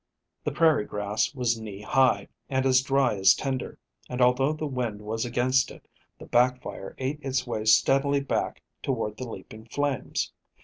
The prairie grass was knee high, and as dry as tinder, and, although the wind was against it, the back fire ate its way steadily back toward the leaping flames.